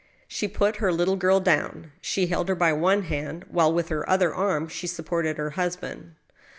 She put her little girl down. She held her by one hand, while with her other arm she supported her husband.